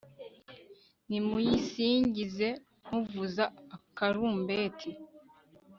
nimuyisingize muvuza akarumbeti